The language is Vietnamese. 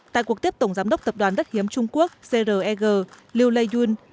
tại cuộc tiếp tổng giám đốc tập đoàn đất hiếm trung quốc creg liu lei yun